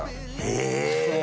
え？